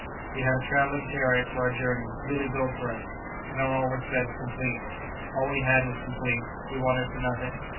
We had a travelling chariot for our journey, newly built for us, and in all respects complete. All we had was complete; we wanted for nothing.